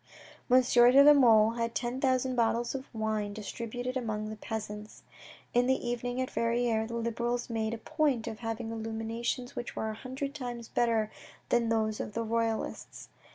Monsieur de la Mole had ten thousand bottles of wine distributed among the peasants. In the evening at Verrieres, the Liberals made a point of having illuminations which were a hundred times better than those of the Royalists.